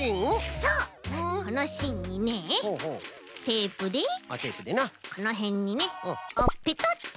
そうこのしんにねテープでこのへんにねあっペタッと。